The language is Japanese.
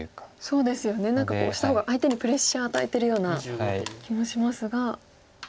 そうですよね何かオシた方が相手にプレッシャー与えてるような気もしますが。